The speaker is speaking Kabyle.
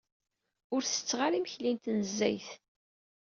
Ur setteɣ ara imekli n tnezzayt.